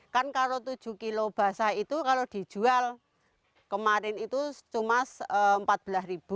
kan kalau tujuh kilo basah itu kalau dijual kemarin itu cuma rp empat belas